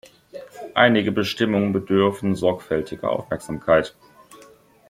Einige Bestimmungen bedürfen sorgfältiger Aufmerksamkeit.